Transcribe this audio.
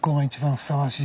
ふさわしい？